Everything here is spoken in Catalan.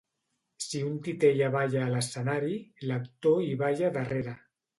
Si un titella balla a l’escenari, l’actor hi balla darrere.